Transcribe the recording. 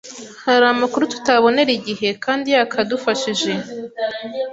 hari amakuru tutabonera igihe kandi yakadufashije